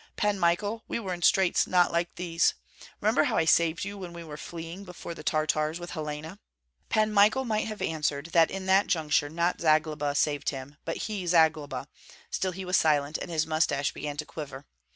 Pan Michael, we were in straits not like these. Remember how I saved you when we were fleeing before the Tartars with Helena?" Pan Michael might have answered that in that juncture not Zagloba saved him, but he Zagloba; still he was silent, and his mustache began to quiver.